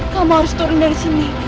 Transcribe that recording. kamu harus turun dari sini